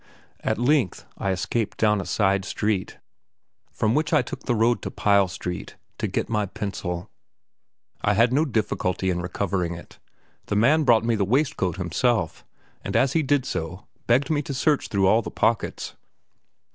At length I escaped down a side street, from which I took the road to Pyle Street to get my pencil. I had no difficulty in recovering it; the man brought me the waistcoat himself, and as he did so, begged me to search through all the pockets.